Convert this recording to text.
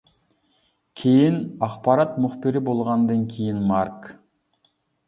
كېيىن ئاخبارات مۇخبىرى بولغاندىن كېيىن مارك.